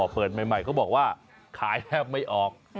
อ้อเพิ่มใหม่ก็บอกว่าขายแทบไม่ออก